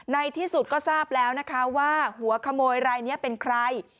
ในที่สุดก็ทราบแล้วนะคะว่าหัวขโมยรายนี้เป็นใคร